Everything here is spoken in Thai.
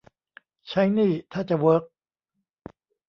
ใช้นี่ ท่าจะเวิร์ก